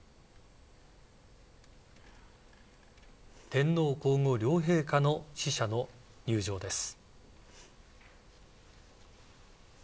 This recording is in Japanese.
天皇・皇后両陛下の使者の入場です。